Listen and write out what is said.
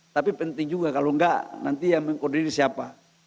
tapi penting juga kalau enggak nanti yang mengkoordini siapa